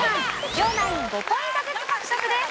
両ナイン５ポイントずつ獲得です。